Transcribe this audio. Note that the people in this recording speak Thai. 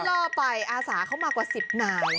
ล่อไปอาสาเข้ามากว่า๑๐นาย